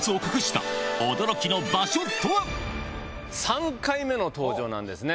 ３回目の登場なんですね。